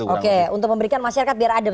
oke untuk memberikan masyarakat biar adem